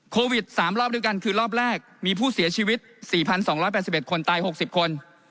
โควิด๓รอบด้วยกันคือรอบแรกมีผู้เสียชีวิต๔๒๘๑คนตาย๖๐คน